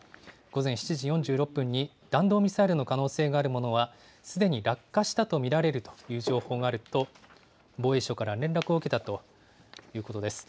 午前７時４６分に、弾道ミサイルの可能性があるものは、すでに落下したと見られるという情報があると、防衛省から連絡を受けたということです。